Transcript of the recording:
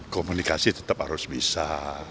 komunikasi tetap harus bisa